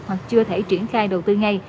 hoặc chưa thể triển khai đầu tư ngay